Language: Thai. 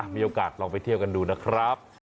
มีโอกาสลองไปเที่ยวกันดูนะครับ